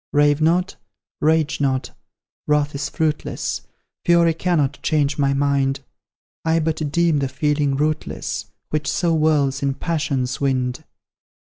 Rave not, rage not, wrath is fruitless, Fury cannot change my mind; I but deem the feeling rootless Which so whirls in passion's wind.